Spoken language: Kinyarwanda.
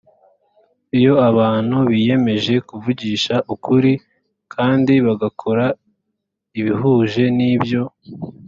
iyo abantu biyemeje kuvugisha ukuri kandi bagakora ibihuje n ibyo